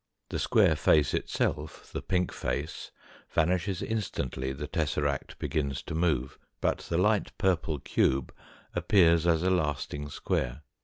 The square face itself, the pink face, vanishes instantly the tesseract begins to move, but the light purple cube appears as a lasting square.